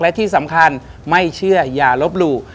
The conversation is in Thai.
และที่สำคัญไม่เชื่ออย่าลบหลู่